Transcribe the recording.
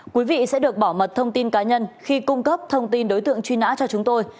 quý vị sẽ được bảo mật thông tin cá nhân khi cung cấp thông tin đối tượng truy nã cho chúng tôi